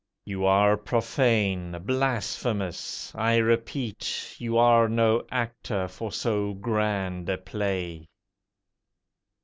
You are profane—blasphemous. I repeat, You are no actor for so grand a play.